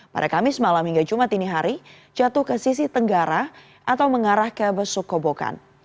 pada kamis malam hingga jumat ini hari jatuh ke sisi tenggara atau mengarah ke besukobokan